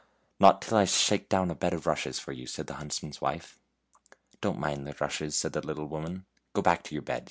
" Not till I shake down a bed of rushes for you," said the huntsman's wife. "Don't mind the rushes," said the little woman ;" go back to your beds.